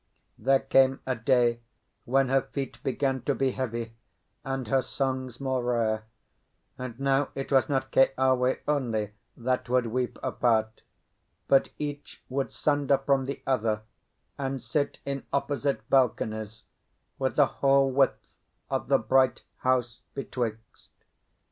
There came a day when her feet began to be heavy and her songs more rare; and now it was not Keawe only that would weep apart, but each would sunder from the other and sit in opposite balconies with the whole width of the Bright House betwixt.